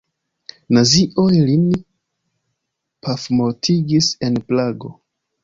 Nazioj lin pafmortigis en Prago.